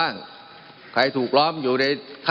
มันมีมาต่อเนื่องมีเหตุการณ์ที่ไม่เคยเกิดขึ้น